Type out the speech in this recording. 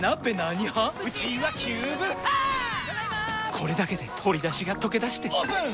これだけで鶏だしがとけだしてオープン！